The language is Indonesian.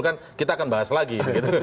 kan kita akan bahas lagi